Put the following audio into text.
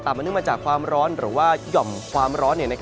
แต่ย่อมความร้อนหรือว่าย่อมความร้อน